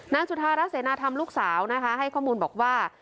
จุธารัฐเสนาธรรมลูกสาวนะคะให้ข้อมูลบอกว่า